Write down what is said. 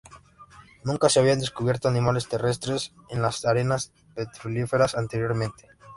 Nunca se habían descubierto animales terrestres en las arenas petrolíferas anteriormente.